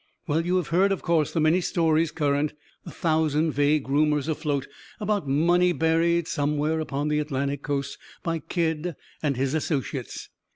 "Well; you have heard, of course, the many stories current the thousand vague rumors afloat about money buried, somewhere upon the Atlantic coast, by Kidd and his associates.